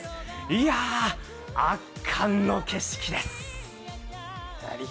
いや圧巻の景色です。